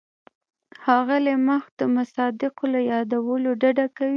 ښاغلی محق د مصادقو له یادولو ډډه کوي.